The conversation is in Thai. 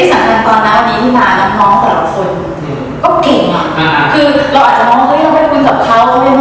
ฉันก็คิดว่าดอกเบอร์คงแตกห่าง